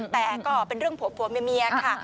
แต่ก็เป็นเรื่องผัวเมียค่ะ